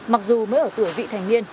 mặc dù mới ở tuổi vị thành niên